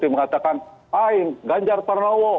mengatakan ganjar parangwo